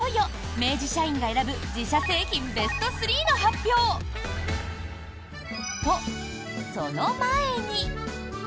それでは、いよいよ明治社員が選ぶ自社製品ベスト３の発表！と、その前に。